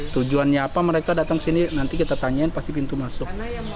tujuannya apa mereka datang ke sini nanti kita tanyain pasti pintu masuk